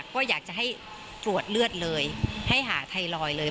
ก็อยากจะให้ตรวจเลือดเลยให้หาไทรอยด์เลย